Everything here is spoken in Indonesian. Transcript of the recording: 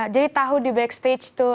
jadi tahu di backstage itu